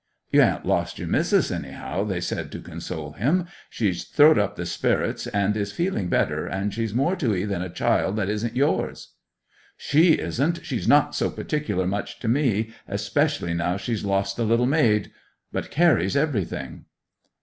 'You ha'n't lost your mis'ess, anyhow,' they said to console him. 'She's throwed up the sperrits, and she is feeling better, and she's more to 'ee than a child that isn't yours.' 'She isn't! She's not so particular much to me, especially now she's lost the little maid! But Carry's everything!